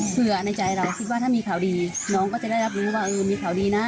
ในใจเราคิดว่าถ้ามีข่าวดีน้องก็จะได้รับรู้ว่ามีข่าวดีนะ